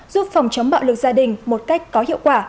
giúp phòng chống bạo lực gia đình một cách